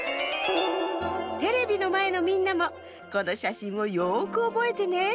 テレビのまえのみんなもこのしゃしんをよくおぼえてね。